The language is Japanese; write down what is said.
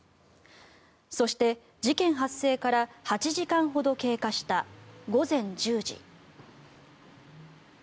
そして、事件発生から８時間ほど経過した午前１０時。